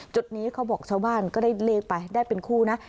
จุดนี้เขาบอกชาวบ้านก็ได้เลขไปได้เป็นคู่นะ